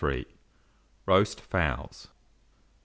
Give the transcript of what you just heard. ] ROAST FOWLS. 952.